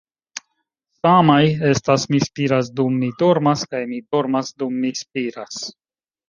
Samaj estas 'Mi spiras dum mi dormas' kaj 'Mi dormas dum mi spiras.'